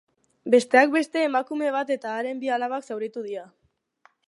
Besteak beste, emakume bat eta haren bi alabak zauritu dira.